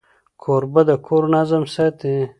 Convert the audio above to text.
کوربه د کور نظم ساتي.